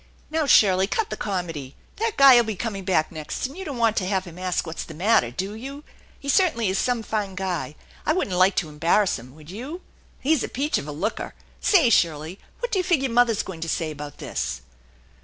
" Now, Shirley, cut the comedy. That guy 5 !! be coming back next, and you don't want to have him ask what's the matter, do you? He certainly is some fine guy. I wouldn't like to embarrass him, would you? He's a peach of a looker. Say, Shirley, what do you figure mother's going to say about this?"